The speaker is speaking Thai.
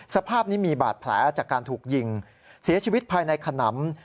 สภาพนี้มีบาดแผลจากการถูกยิงเสียชีวิตภายในขนำ